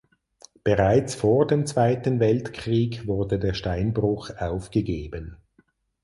Bereits vor dem Zweiten Weltkrieg wurde der Steinbruch aufgegeben.